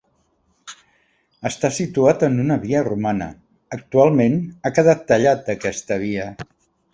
Està situat en una via romana, actualment ha quedat tallat d'aquesta via.